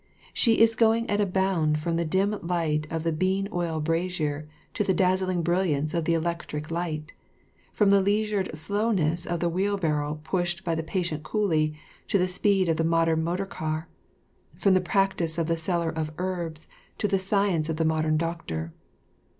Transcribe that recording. She is going at a bound from the dim light of the bean oil brazier to the dazzling brilliance of the electric light; from the leisured slowness of the wheelbarrow pushed by the patient coolie to the speed of the modern motor car; from the practice of the seller of herbs to the science of the modern doctor.